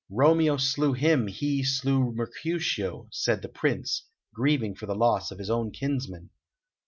"Romeo slew him, he slew Mercutio," said the Prince, grieving for the loss of his own kinsman.